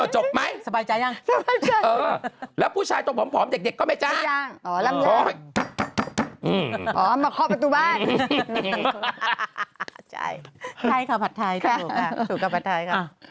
ใช่ครับผัดทายถูกค่ะถูกครับผัดทาย